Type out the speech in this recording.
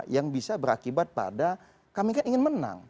yang bisa berakibat pada kami kan ingin menang